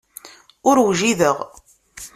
Ur wjideɣ.